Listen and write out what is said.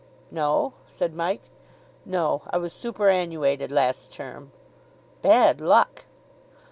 "No?" said Mike. "No. I was superannuated last term." "Bad luck."